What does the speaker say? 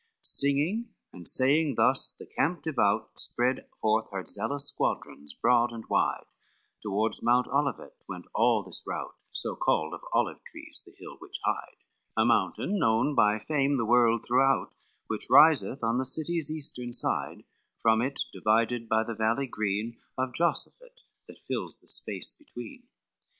X Singing and saying thus, the camp devout Spread forth her zealous squadrons broad and wide'; Toward mount Olivet went all this route, So called of olive trees the hills which hide, A mountain known by fame the world throughout, Which riseth on the city's eastern side, From it divided by the valley green Of Josaphat, that fills the space between.